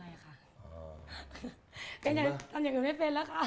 ก็ยังทำอย่างอื่นไม่เป็นแล้วค่ะ